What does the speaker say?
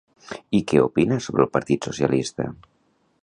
I què opina sobre el partit socialista?